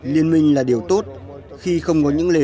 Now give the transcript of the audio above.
liên minh là điều tốt khi không có những lề